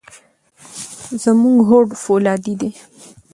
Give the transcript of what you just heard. زموږ هوډ فولادي دی.